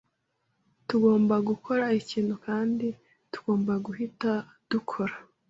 Tugomba gukora ikintu kandi tugomba guhita dukora.